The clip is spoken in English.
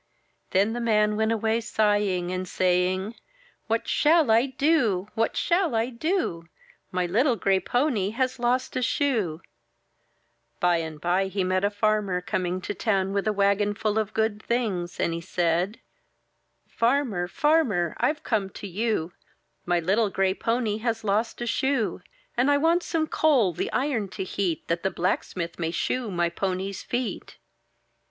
Then the man went away sighing, and saying: — "What shall I do? What shall I do? My little gray pony has lost a shoe!" 94 IN THE NURSERY By and by he met a farmer coming to town with a wagon full of good things, and he said: — u Farmer! Farmer! Tve come to you; My little gray pony has lost a shoe! And I want some coal the iron to heat, That the blacksmith may shoe my pony's feet."